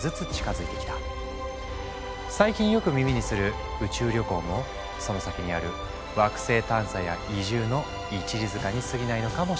最近よく耳にする宇宙旅行もその先にある惑星探査や移住の一里塚にすぎないのかもしれない。